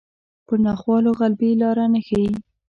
پر ناخوالو غلبې لاره نه ښيي